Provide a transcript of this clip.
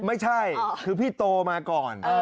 ไม่ใช่คือพี่โตมาก่อน